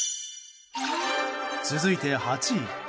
続いて、８位。